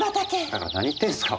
だから何言ってんすか？